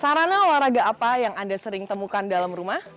sarana olahraga apa yang anda sering temukan dalam rumah